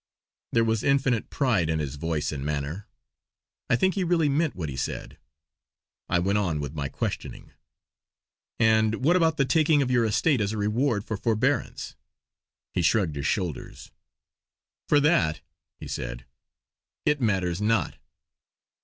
'" There was infinite pride in his voice and manner; I think he really meant what he said. I went on with my questioning: "And what about the taking of your estate as a reward of forbearance?" He shrugged his shoulders: "For that," he said, "it matters not."